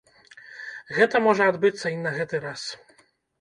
Гэта можа адбыцца і на гэты раз.